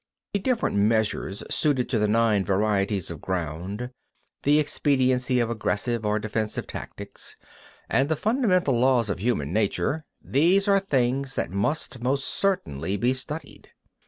41. The different measures suited to the nine varieties of ground; the expediency of aggressive or defensive tactics; and the fundamental laws of human nature: these are things that must most certainly be studied.